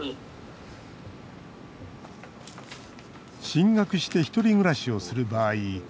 進学して１人暮らしをする場合